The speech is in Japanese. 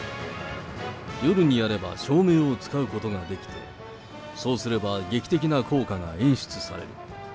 夜にやれば照明を使うことができて、そうなれば劇的な効果が演出される。